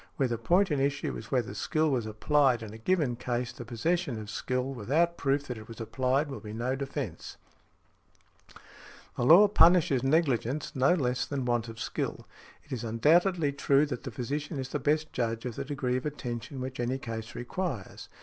Where the point in issue is whether skill was applied in a given case, the possession of skill without proof that it was applied will be no defence . The law punishes negligence no less than want of skill. It is undoubtedly true that the physician is the best judge of the degree of attention which any case requires.